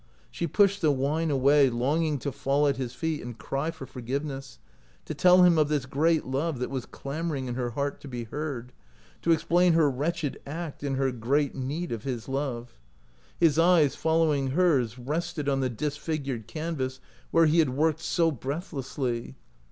She pushed the wine away, longing to fall at his feet and cry for forgiveness; to tell him of this great love that was clamoring in her heart to be heard ; to explain her wretched act in her great 123 OUT OF BOHEMIA need of his love. His eyes, following hers, rested on the disfigured canvas where he had worked so breathlessly.